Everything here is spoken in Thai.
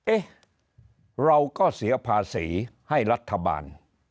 เอ๊ะเราก็เสียภาษีให้รัฐบาล